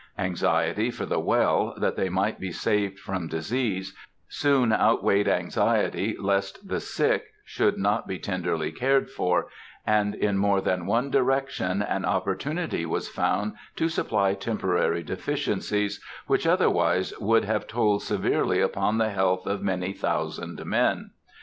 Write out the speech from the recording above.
Anxiety for the well, that they might be saved from disease, soon outweighed anxiety lest the sick should not be tenderly cared for, and in more than one direction an opportunity was found to supply temporary deficiencies, which otherwise would have told severely upon the health of many thousand men.